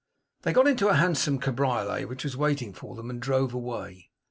They got into a handsome cabriolet which was waiting for them and drove away.